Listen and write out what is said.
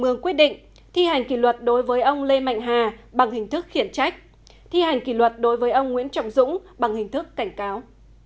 ương quyết định thi hành kỷ luật đối với ông lê mạnh hà bằng hình thức khiển trách thi hành kỷ luật đối với ông nguyễn trọng dũng bằng hình thức cảnh cáo